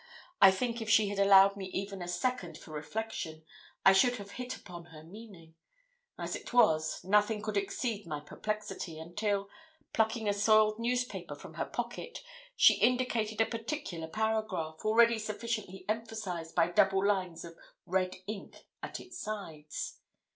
I think if she had allowed me even a second for reflection, I should have hit upon her meaning. As it was, nothing could exceed my perplexity, until, plucking a soiled newspaper from her pocket, she indicated a particular paragraph, already sufficiently emphasised by double lines of red ink at its sides.